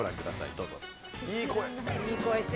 どうぞ。